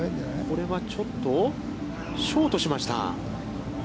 これは、ちょっとショートしました。